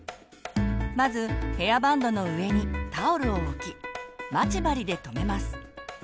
まずヘアバンドの上にタオルを置き待ち針でとめます。